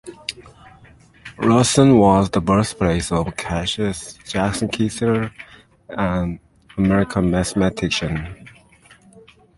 Rawson was the birthplace of Cassius Jackson Keyser, an American mathematician.